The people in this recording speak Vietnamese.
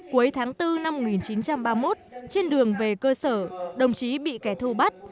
cuối tháng bốn năm một nghìn chín trăm ba mươi một trên đường về cơ sở đồng chí bị kẻ thù bắt